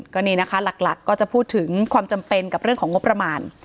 ก็นี่นะคะหลักก็จะพูดถึงความจำเป็นกับเรื่องของงบประมาณ